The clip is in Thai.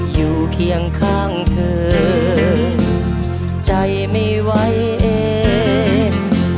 เคียงข้างเธอใจไม่ไหวเอง